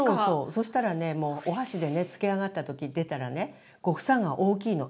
そしたらねもうお箸でね漬け上がった時出たらねこう房が大きいの。